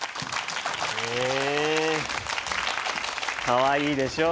かわいいでしょ？